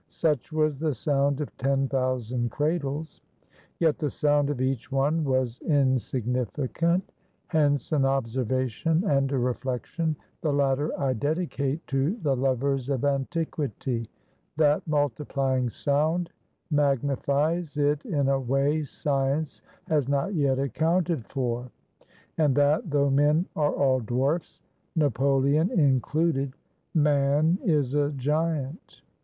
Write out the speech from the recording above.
Such was the sound of ten thousand cradles; yet the sound of each one was insignificant. Hence an observation and a reflection the latter I dedicate to the lovers of antiquity that multiplying sound, magnifies it in a way science has not yet accounted for; and that, though men are all dwarfs, Napoleon included, man is a giant.